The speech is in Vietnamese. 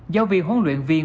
giáo viên huấn luyện viên